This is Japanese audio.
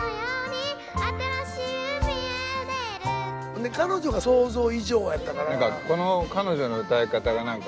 で彼女が想像以上やったから。